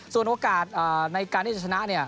ส่วนโอกาสในการที่จะชนะ